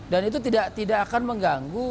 dan itu tidak akan mengganggu